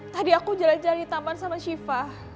tadi aku jalan jalan di taman sama shiva